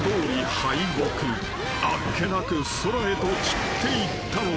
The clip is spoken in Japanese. ［あっけなく空へと散っていったのだった］